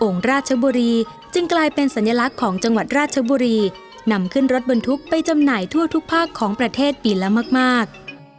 ราชบุรีจึงกลายเป็นสัญลักษณ์ของจังหวัดราชบุรีนำขึ้นรถบรรทุกไปจำหน่ายทั่วทุกภาคของประเทศปีละมาก